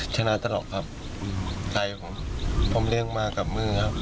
ชนะตลอดครับใจผมผมเลี้ยงมากับมือครับ